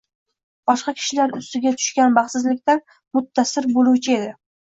boshqa kishilar ustiga tushgan baxtsizlikdan mutaassir bo’luvchi edi”.